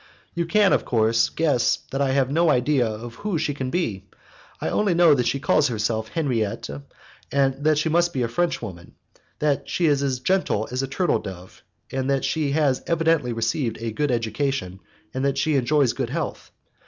You can, of course, guess that I have no idea of who she can be. I only know that she calls herself Henriette, that she must be a Frenchwoman, that she is as gentle as a turtledove, that she has evidently received a good education, and that she enjoys good health.